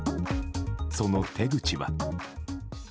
その手口は。